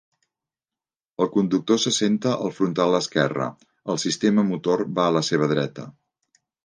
El conductor s'assenta al frontal esquerre, el sistema motor va a la seva dreta.